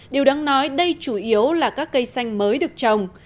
điều đáng nói đây chủ yếu là các cây xanh mới được trồng